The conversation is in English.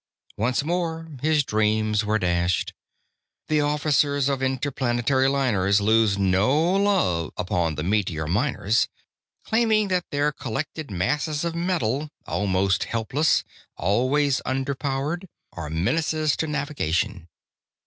Once more his dreams were dashed. The officers of interplanetary liners lose no love upon the meteor miners, claiming that their collected masses of metal, almost helpless, always underpowered, are menaces to navigation.